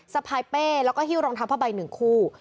สะพายเป้แล้วก็ฮิ้วรองทางภาพใบ๑คู่